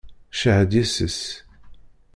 Cehhed yes-s!